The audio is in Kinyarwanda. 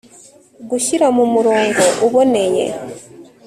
gushyira mu murongo uboneye